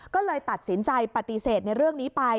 ก็เลยตัดสินใจปฏิเสธในเรื่องนี้ไป